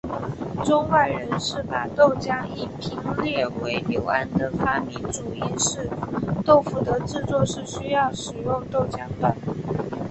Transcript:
中外人士把豆浆一拼列为刘安的发明主因是豆腐的制作是需要使用豆浆的。